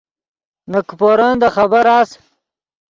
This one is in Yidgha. نے کیپورن دے خبر اس